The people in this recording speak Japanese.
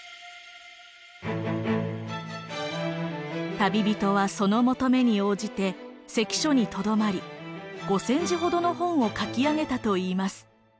旅人はその求めに応じて関所にとどまり５，０００字ほどの本を書き上げたといいます。